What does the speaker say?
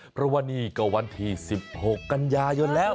เพราะว่านี่ก็วันที่๑๖กันยายนแล้ว